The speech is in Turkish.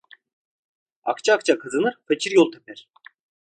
Akça akça kazanır; fakir yol teper.